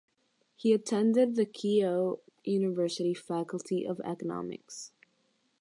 He attended the Keio University Faculty of Economics.